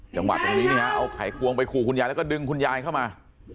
จังหวัดตรงนี้นี่ฮะเอาไขควงไปขู่คุณยายแล้วก็ดึงคุณยายเข้ามา